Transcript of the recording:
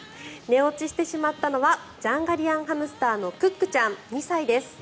寝落ちしてしまったのはジャンガリアンハムスターのクックちゃん、２歳です。